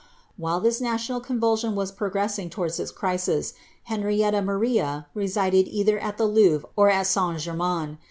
While this national convulsion was progressing towards its crisis, Henrietta Maria resided either at the Louvre or at St. Germains.